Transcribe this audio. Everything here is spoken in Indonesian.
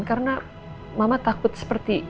karena mama takut seperti